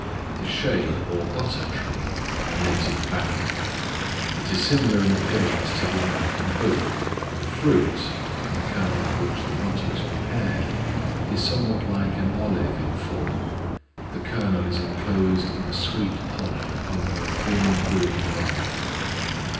The Shea, or Butter Tree, a native of Africa: it is similar in appearance to the American oak, and the fruit, (from the kernel of which the butter is prepared,) is somewhat like an olive in form. The kernel is inclosed in a sweet pulp, under a thin, green rind.